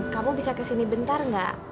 kamu bisa kesini bentar gak